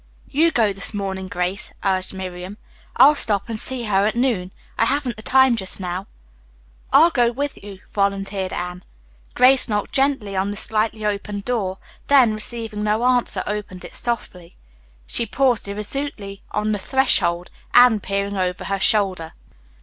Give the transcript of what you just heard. "You go this morning, Grace," urged Miriam. "I'll stop and see her at noon. I haven't the time just now." "I'll go with you," volunteered Anne. Grace knocked gently on the slightly opened door, then, receiving no answer, opened it softly. She paused irresolutely on the threshold, Anne peering over her shoulder.